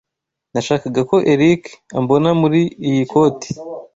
Nashakaga ko Eric ambona muri iyi koti